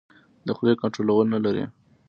د خولې کنټرول نه لري.